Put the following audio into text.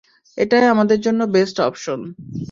এটাই আমাদের জন্য বেস্ট অপশন।